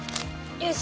よし！